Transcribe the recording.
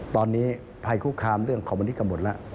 ตอนนี้ภายคู่คามเรื่องของมนิษฐ์ก็หมดแล้ว